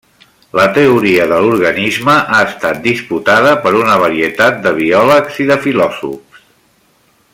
La teoria de l'organisme ha estat disputada per una varietat de biòlegs i de filòsofs.